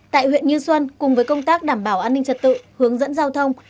tại huyện như xuân cùng với công tác đảm bảo an ninh trật tự hướng dẫn giao thông